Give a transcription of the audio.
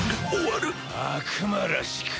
悪魔らしく。